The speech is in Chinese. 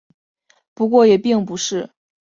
不过也并不是所有的评论员都喜欢这一集。